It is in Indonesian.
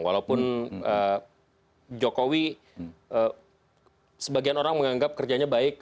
walaupun jokowi sebagian orang menganggap kerjanya baik